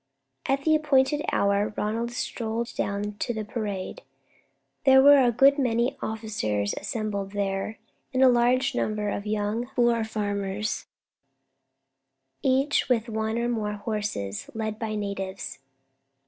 At the appointed hour Ronald strolled down to the parade. There were a good many officers assembled there, and a large number of young Boer farmers, each with one or more horses, led by natives.